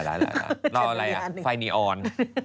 รออะไรอ่ะไฟนีออน